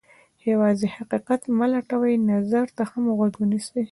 یوازې حقیقت مه لټوئ، نظر ته هم غوږ ونیسئ.